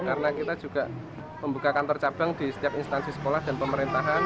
karena kita juga membuka kantor cabang di setiap instansi sekolah dan pemerintahan